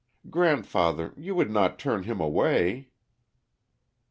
Grandfather, you would not turn him away?"